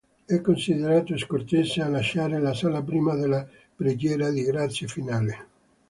È considerato scortese a lasciare la sala prima della preghiera di grazia finale.